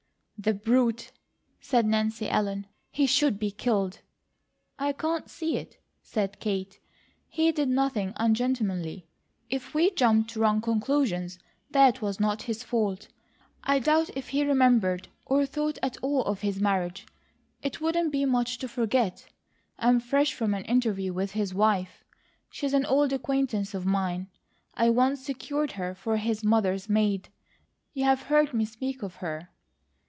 "The brute!" said Nancy Ellen. "He should be killed." "I can't see it," said Kate. "He did nothing ungentlemanly. If we jumped to wrong conclusions that was not his fault. I doubt if he remembered or thought at all of his marriage. It wouldn't be much to forget. I am fresh from an interview with his wife. She's an old acquaintance of mine. I once secured her for his mother's maid. You've heard me speak of her."